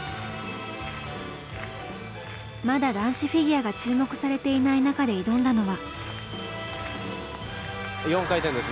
まだ男子フィギュアが注目されていない中で挑んだのは。